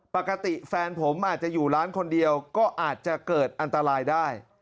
แฟนผมอาจจะอยู่ร้านคนเดียวก็อาจจะเกิดอันตรายได้